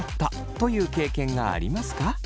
という経験がありますか？